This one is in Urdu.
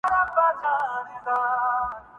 جب ہوئے ہم بے گنہ‘ رحمت کی کیا تفصیر ہے؟